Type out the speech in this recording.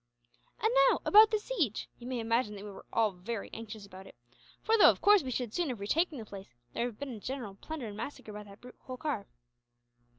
"And now, about the siege. You may imagine that we were all very anxious about it; for though, of course, we should soon have retaken the place, there would have been a general plunder and massacre by that brute Holkar."